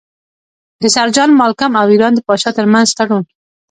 د سر جان مالکم او ایران د پاچا ترمنځ تړون.